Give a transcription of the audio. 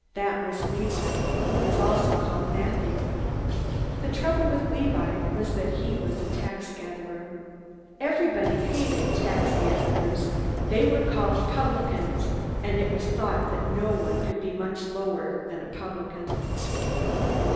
That was Levi, who was also called Matthew. The trouble with Levi was that he was a taxgatherer. Everybody hated taxgatherers. They were called "publicans," and it was thought that no one could be much lower than a publican.